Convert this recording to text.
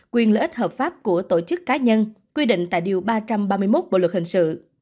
quyền lợi ích hợp pháp của tổ chức cá nhân quy định tại điều ba trăm ba mươi một bộ luật hình sự